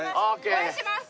応援してます！